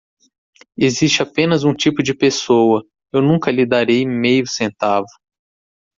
Existe apenas um tipo de pessoa, eu nunca lhe darei meio centavo.